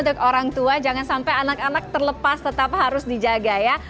untuk orang tua jangan sampai anak anak terlepas tetap harus dijaga ya